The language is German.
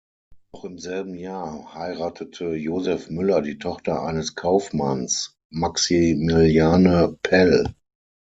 Noch im selben Jahr heiratete Josef Müller die Tochter eines Kaufmanns, Maximiliane Pell.